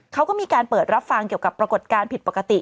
เขาก็มีการเปิดรับฟังเกี่ยวกับปรากฏการณ์ผิดปกติ